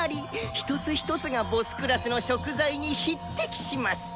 一つ一つが頭級の食材に匹敵します。